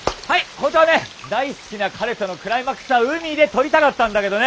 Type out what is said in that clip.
本当はね大好きな彼とのクライマックスは海で撮りたかったんだけどね。